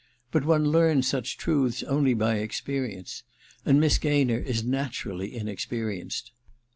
But one learns such f truths only by experience ; and Miss Gaynor is naturally inexperienced.'